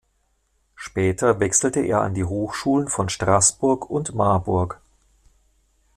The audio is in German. Später wechselte er an die Hochschulen von Straßburg und Marburg.